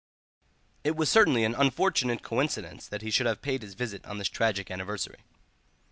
It was certainly an unfortunate coincidence that he should have paid his visit on this tragic anniversary.